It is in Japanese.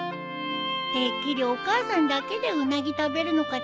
てっきりお母さんだけでウナギ食べるのかと思ったよ。